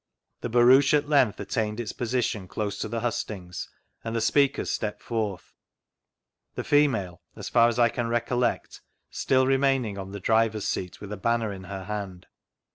The Barouche at length attained its position close! to the hustings, and the speakers stepped forthy the female— as far as I can recollect— still remaining on the driver's seat with a banner in her hand.